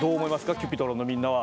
Ｃｕｐｉｔｒｏｎのみんなは。